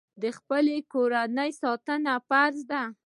د خپلې کورنۍ ساتنه فرض ده.